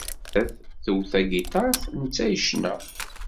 Nettat twet tagiṭart, netta yecna.